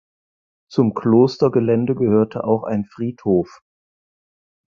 Zum Klostergelände gehörte auch ein Friedhof.